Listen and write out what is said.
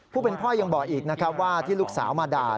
ผู้เป็นพ่อยังบอกอีกนะครับว่าที่ลูกสาวมาด่า